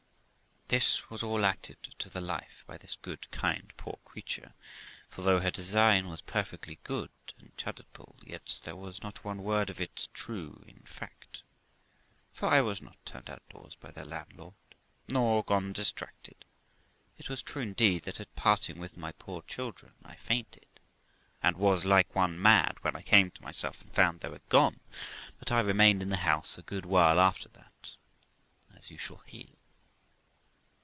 This was all acted to the life by this good, kind, poor creature; for though her design was perfectly good and charitable, yet there was not one word of it true in fact; for I was not turned out of doors by the landlord, nor gone distracted. It was true, indeed, that at parting with my poor children I fainted, and was like one mad when I came to myself and found they were gone; but I remained in the house a good while after that, as you shall hear.